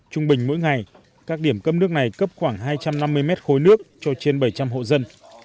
trung bình mỗi ngày các điểm cấp nước này cấp khoảng hai trăm năm mươi mét khối nước cho trên bảy trăm linh hộ dân